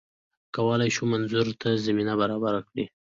کولای شو منظور ته زمینه برابره کړي